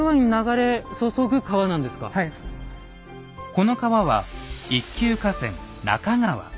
この川は一級河川中川。